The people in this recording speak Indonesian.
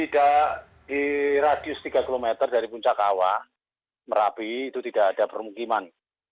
tidak di radius tiga km dari puncak awa merapi itu tidak ada permukiman